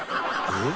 えっ？